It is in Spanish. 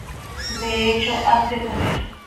de hecho has de saber